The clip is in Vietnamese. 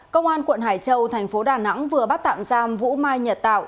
công an quận hải châu thành phố đà nẵng vừa bắt tạm giam vũ mai nhật tạo